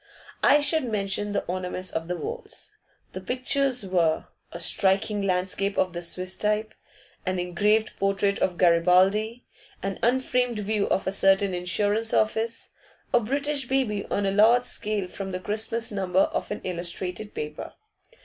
I should mention the ornaments of the walls. The pictures were: a striking landscape of the Swiss type, an engraved portrait of Garibaldi, an unframed view of a certain insurance office, a British baby on a large scale from the Christmas number of an illustrated paper.